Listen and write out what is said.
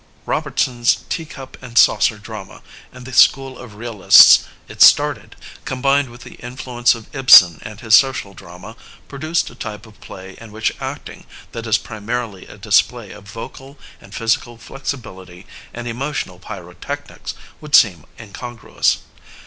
Robertson ^s tea cup and saucer drama and the school of realists it started, combined with the influ ence of Ibsen and his social drama, produced a type of play in which acting that is primarily a display of vocal and physical flexibility and emotional pyro technics would seem incongruous.